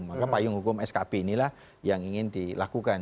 maka payung hukum skb inilah yang ingin dilakukan